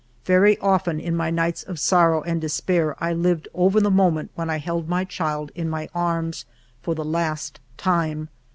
Very often in my nights of sorrow and despair I lived over the moment when I held my child in my arms for the last time.